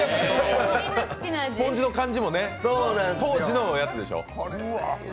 スポンジの感じもね、当時のおやつでしょ？